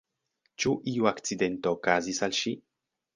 Ĉu iu akcidento okazis al ŝi?